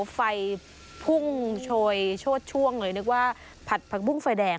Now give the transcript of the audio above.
ไฟพุ่งโชยโชดช่วงเลยนึกว่าผัดผักบุ้งไฟแดง